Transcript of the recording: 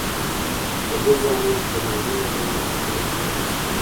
د ده زامن په مهمو دندو باندې وګمارل شول.